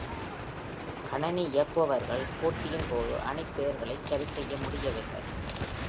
கணினி இயக்குபவர்கள் போட்டியின் போது அணிப் பெயர்களைச் சரிசெய்ய முடியவில்லை.